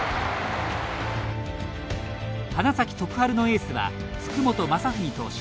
花咲徳栄のエースは福本真史投手。